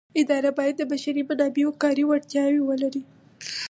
اداره باید د بشري منابعو کاري وړتیاوې ولري.